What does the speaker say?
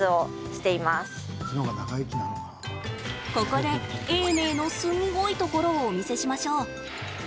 ここで永明のすごいところをお見せしましょう。